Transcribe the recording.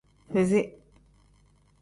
Fizi.